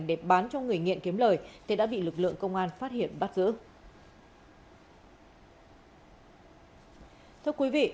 để bán cho người nghiện kiếm lời thì đã bị lực lượng công an phát hiện bắt giữ